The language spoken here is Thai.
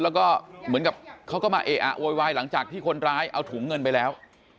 แล้วก็เหมือนกับเขาก็มาเอะอะโวยวายหลังจากที่คนร้ายเอาถุงเงินไปแล้ว